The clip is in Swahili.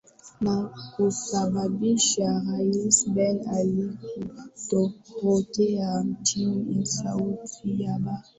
na kusababisha rais ben ali kutorokea nchini saudi arabia